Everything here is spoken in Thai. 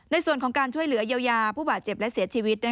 ในส่วนของการช่วยเหลือเยียวยาผู้บาดเจ็บและเสียชีวิต